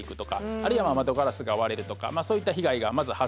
あるいは窓ガラスが割れるとかそういった被害がまず発生します。